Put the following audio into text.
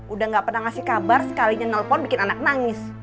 udah gak pernah ngasih kabar sekalinya nelpon bikin anak nangis